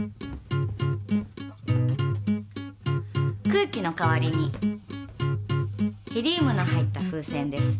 空気の代わりにヘリウムの入った風船です。